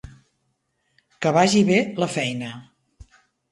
Que vagi bé la feina.